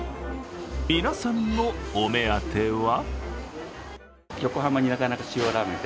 皆さんのお目当ては？